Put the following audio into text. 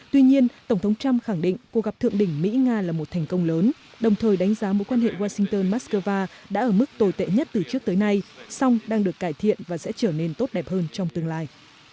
tuy nhiên tổng thống trump khẳng định cuộc gặp thượng đỉnh mỹ nga là một thành công lớn đồng thời đánh giá mối quan hệ washington moscow đã ở mức tồi tệ nhất từ trước tới nay song đang được cải thiện và sẽ trở nên tốt đẹp hơn trong tương lai